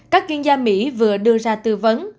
các chuyên gia mỹ vừa đưa ra tư vấn